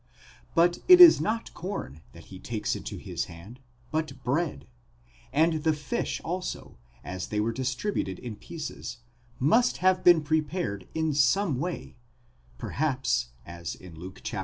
But it is not corn that he takes into his hand, but bread ; and the fish also, as they are distributed in pieces, must have been prepared in some way, perhaps, as in Luke xxiv.